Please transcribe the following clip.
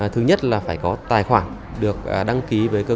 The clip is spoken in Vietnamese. thứ nhất là phải có tài khoản được đăng ký với công ty